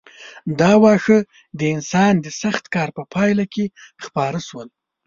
دا واښه د انسان د سخت کار په پایله کې خپاره شول.